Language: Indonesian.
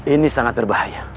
ini sangat berbahaya